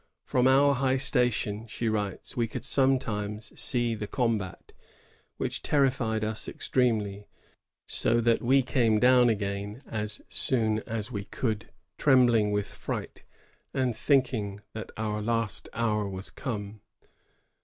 From our high station," she writes, we could sometimes see the combat, which terrified us extremely, so that we came down again as soon as we could, trembling with fright, and thinking that our last hour was come.